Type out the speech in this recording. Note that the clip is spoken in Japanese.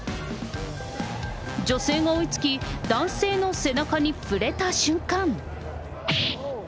女性が追いつき、男性の背中に触れた瞬間。